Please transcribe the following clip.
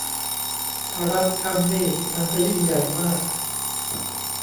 ถ้ารัฐทำนี่มันจะยิ่งใหญ่มาก